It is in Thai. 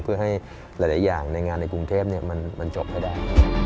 เพื่อให้หลายอย่างในงานในกรุงเทพมันจบให้ได้